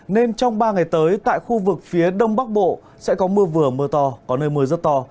nên trong ba ngày tới tại khu vực phía đông bắc bộ sẽ có mưa vừa mưa to có nơi mưa rất to